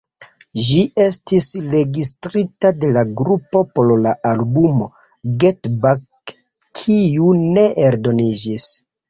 Ĝi estis registrita de la grupo por la albumo "Get Back", kiu ne eldoniĝis.